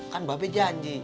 kan mbak be janji